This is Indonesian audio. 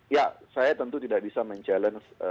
ya saya tentu tidak bisa mencabar